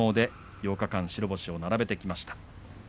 ８日、間白星を並べてきました。